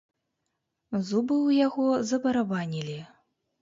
Зубы ў яго забарабанілі.